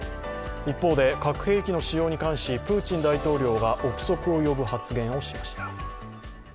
一方で核兵器の使用に関しプーチン大統領が憶測を呼ぶ発言をしました。